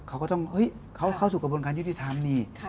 เขาก็ต้องเฮ้ยเข้าสู่กระบวนการยุติธรรมนี่